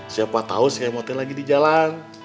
siapa tau si kemot teh lagi di jalan